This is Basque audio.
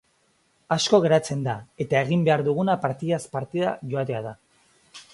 Asko geratzen da eta egin behar duguna partidaz partida joatea da.